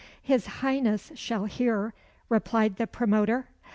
"His Highness shall hear," replied the promoter.